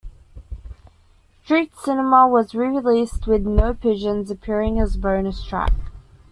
"Street Cinema" was re-released with "No Pigeons" appearing as a bonus track.